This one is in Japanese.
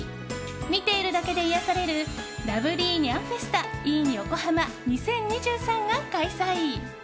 見ているだけで癒やされるＬｏｖｅｌｙにゃんフェスタｉｎ横浜２０２３が開催。